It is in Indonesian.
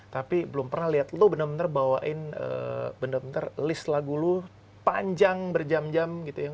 tapi belum pernah lihat lo bener bener bawain benar benar list lagu lu panjang berjam jam gitu ya